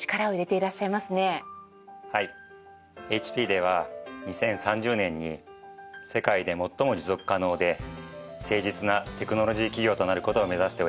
ＨＰでは２０３０年に世界で最も持続可能で誠実なテクノロジー企業となる事を目指しております。